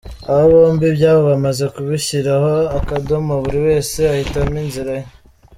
Aba bombi ibyabo bamaze kubishyiraho akadomo buri wese ahitamo inzira ye.